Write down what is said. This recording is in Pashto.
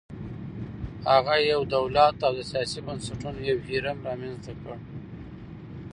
هغه یو دولت او د سیاسي بنسټونو یو هرم رامنځته کړل